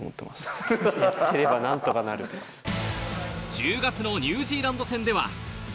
１０月のニュージーランド戦では。